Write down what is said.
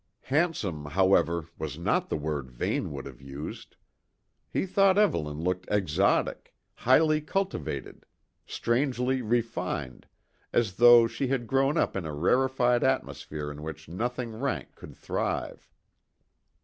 Handsome, however, was not the word Vane would have used. He thought Evelyn looked exotic, highly cultivated, strangely refined, as though she had grown up in a rarefied atmosphere in which nothing rank could thrive.